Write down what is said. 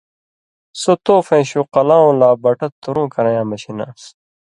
سو توفَیں شُو قلاؤں لا بَٹہ تُرُوں کرَیں یاں مشین آن٘س۔